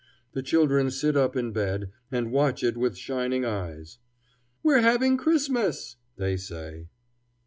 The children sit up in bed, and watch it with shining eyes. "We're having Christmas!" they say.